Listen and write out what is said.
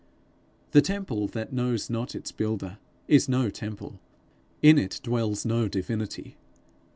The temple that knows not its builder, is no temple; in it dwells no divinity.